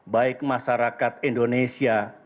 baik masyarakat indonesia